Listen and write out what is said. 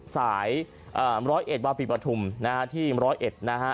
สาย๑๐๑วาภิปาธุมที่๑๐๑นะฮะ